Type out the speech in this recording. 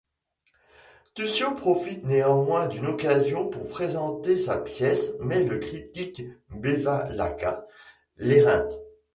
Tuccio profite néanmoins d'une occasion pour présenter sa pièce mais le critique Bevalaqua l'éreinte.